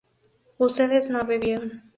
ustedes no bebieron